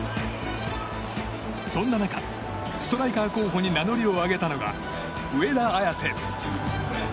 そんな中、ストライカー候補に名乗りを上げたのが上田綺世。